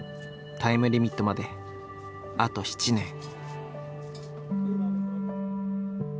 タイムリミットまであと７年。